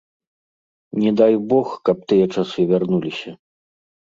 Не дай бог, каб тыя часы вярнуліся.